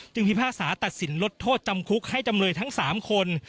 พิพากษาตัดสินลดโทษจำคุกให้จำเลยทั้ง๓คน